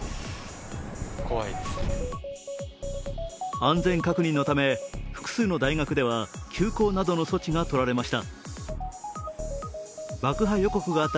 安全確認のため、複数の大学では休講などの措置がとられました。